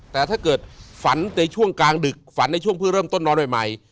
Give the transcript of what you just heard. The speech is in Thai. แต่ถ้าเกิดฝันในช่วงกลางดึกฝันในช่วงเพื่อเริ่มต้นนอนใหม่